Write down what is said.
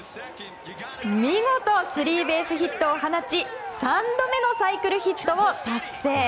見事スリーベースヒットを放ち３度目のサイクルヒットを達成！